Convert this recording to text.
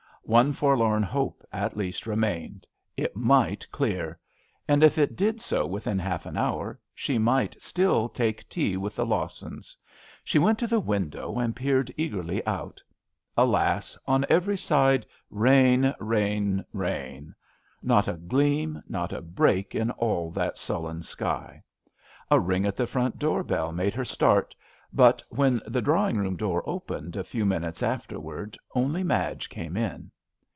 One forlorn hope at least remained : it might clear ; and if it did so within half an hour, she might still take tea with the Lawsons. She went to the window and peered eagerly out. Alas I on every side rain, rain, rain; not a gleam, not a break in all that sullen sky. A ring at the front door bell made her start, but when the drawing room door opened a few minutes afterwards only Madge came in.